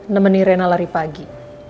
nemeni rena lari pagi